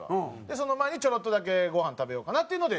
その前にちょろっとだけごはん食べようかなっていうので。